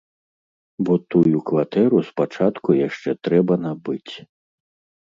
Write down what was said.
Бо тую кватэру спачатку яшчэ трэба набыць.